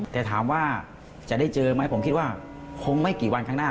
แต่ถามว่าจะได้เจอไหมผมคิดว่าคงไม่กี่วันข้างหน้า